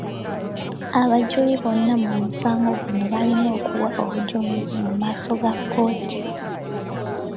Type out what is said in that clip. Abajuli bonna mu musango guno balina okuwa obujulizi mu maaso ga kkooti.